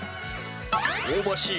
香ばしい